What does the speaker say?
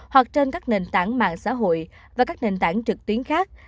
hoặc trên các nền tảng mạng xã hội và các nền tảng trực tuyến khác